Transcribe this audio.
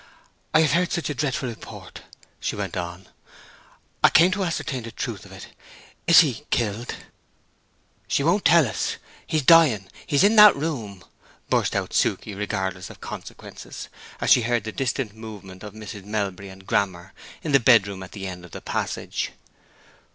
"I have heard such a dreadful report," she went on; "I came to ascertain the truth of it. Is he—killed?" "She won't tell us—he's dying—he's in that room!" burst out Suke, regardless of consequences, as she heard the distant movements of Mrs. Melbury and Grammer in the bedroom at the end of the passage.